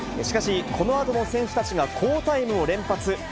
しかし、このあとの選手たちが好タイムを連発。